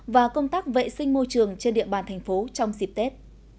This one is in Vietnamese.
và công tác vệ sinh môi trường trên địa bàn thành phố trong dịp tết